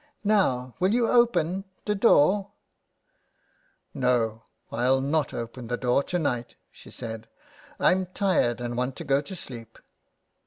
Now will you open — the door ?"" No, I'll not open the door to night," she said. " Pm tired and want to go to sleep."